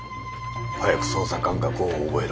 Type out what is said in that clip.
早く操作感覚を覚えろ。